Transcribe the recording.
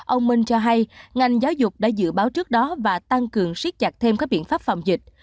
ông minh cho hay ngành giáo dục đã dự báo trước đó và tăng cường siết chặt thêm các biện pháp phòng dịch